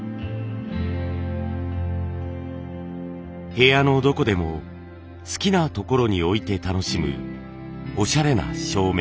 部屋のどこでも好きな所に置いて楽しむオシャレな照明。